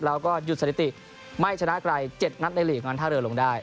แล้วก็หยุดสถิติไม่ชนะใคร๗นัดในหลีกนั้นท่าเรือลงได้